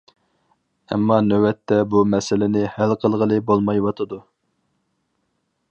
ئەمما نۆۋەتتە بۇ مەسىلىنى ھەل قىلغىلى بولمايۋاتىدۇ.